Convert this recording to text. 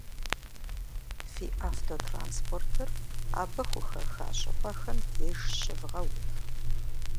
Фи автотранспортыр абы хухэха щӀыпӀэхэм деж щывгъэув.